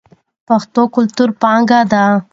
پښتو کلتوري پانګه ده.